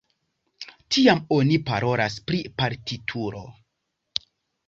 Tiam oni parolas pri partituro.